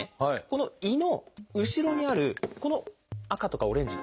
この胃の後ろにあるこの赤とかオレンジ。